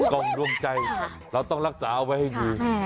กล้องร่วมใจเราต้องรักษาเอาไว้ให้ดี